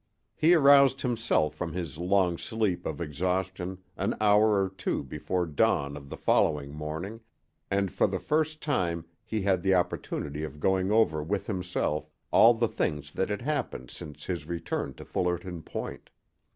He aroused himself from his long sleep of exhaustion an hour or two before dawn of the following morning, and for the first time he had the opportunity of going over with himself all the things that had happened since his return to Fullerton Point.